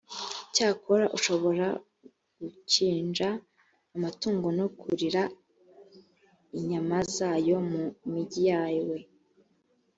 cyakora, ushobora gukinja amatungo no kurira inyama zayo mu migi yawe.